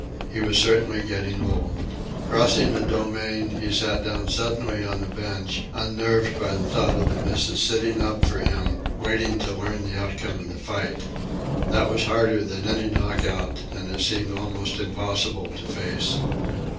He was certainly getting old. Crossing the Domain, he sat down suddenly on a bench, unnerved by the thought of the missus sitting up for him, waiting to learn the outcome of the fight. That was harder than any knockout, and it seemed almost impossible to face.